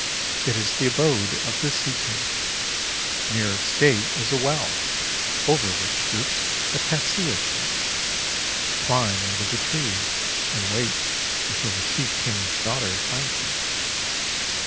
It is the abode of the Sea King. Near its gate is a wrell, over which droops a Cassia Tree. Climb into the tree, and wait until the Sea King's daughter finds you."